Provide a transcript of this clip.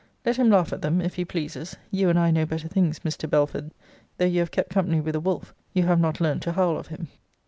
Let him laugh at them, if he pleases: you and I know better things, Mr. Belford Though you have kept company with a wolf, you have not learnt to howl of him.